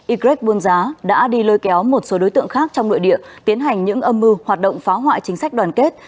y greg buôn giá đã đi lôi kéo một số đối tượng khác trong nội địa tiến hành những âm mưu hoạt động phá hoại chính sách đoàn kết